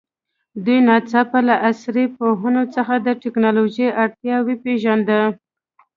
دوی ناڅاپه له عصري پوهنو څخه د تکنالوژي اړتیا وپېژانده.